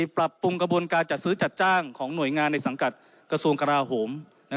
ปรับปรุงกระบวนการจัดซื้อจัดจ้างของหน่วยงานในสังกัดกระทรวงกราโหม